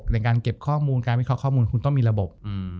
ในการเก็บข้อมูลการวิเคราะห์ข้อมูลคุณต้องมีระบบ